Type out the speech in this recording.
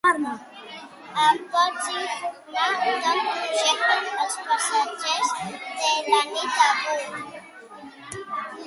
Em pots informar d'on projecten "Els passatgers de la nit" avui?